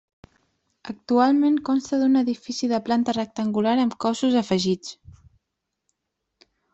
Actualment consta d'un edifici de planta rectangular amb cossos afegits.